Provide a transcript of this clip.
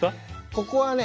ここはね